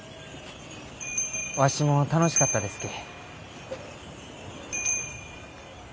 わしも楽しかったですき。